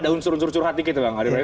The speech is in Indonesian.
ada unsur unsur curhat dikit bang